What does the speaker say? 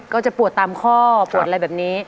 ก็จะปวดตามข้อปวดอะไรแบบนี้